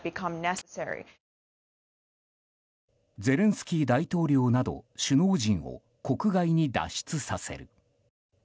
ゼレンスキー大統領など首脳陣を国外に脱出させる。